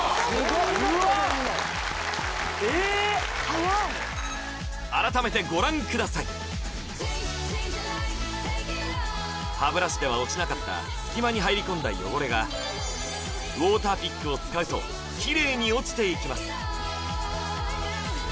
・早い改めてご覧ください歯ブラシでは落ちなかった隙間に入り込んだ汚れがウォーターピックを使うとキレイに落ちていきます